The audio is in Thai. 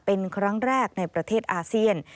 เป็นครั้งแรกในประเทศอาเซียน